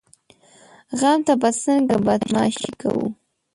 غم ته به څنګه بدماشي کوو؟